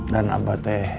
dan abah teh